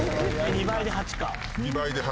２倍で８。